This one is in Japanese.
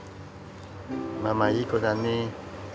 ママいい子だね。